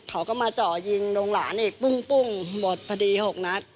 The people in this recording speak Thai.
เขาก็มาเจาะยิงลงหลานอีกปุ้งหมดพอดี๖นัด